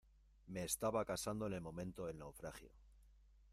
me estaba casando en el momento del naufragio.